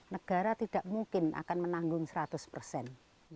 negara tidak mungkin akan menanggung seratus persen